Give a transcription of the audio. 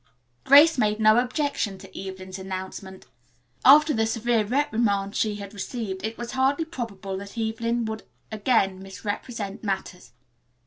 Grace made no objection to Evelyn's announcement. After the severe reprimand she had received it was hardly probable that Evelyn would again misrepresent matters.